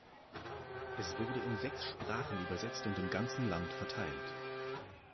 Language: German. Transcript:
Es wurde in sechs Sprachen übersetzt und im ganzen Land verteilt.